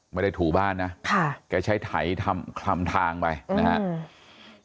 ไม่ได้ถูบ้านนะค่ะแกใช้ไถทำคลำทางไปนะครับ